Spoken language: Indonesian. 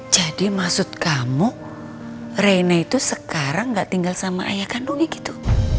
jadi maksud kamu reina itu sekarang gak tinggal sama ayah kandungnya gitu